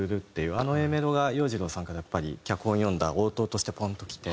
あのＡメロが洋次郎さんからやっぱり脚本を読んだ応答としてポンときて。